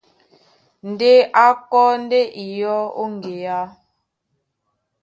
Ndé a kɔ́ ndé iyɔ́ ó ŋgeá.